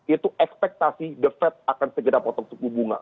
itu ekspektasi the fed akan segera potong suku bunga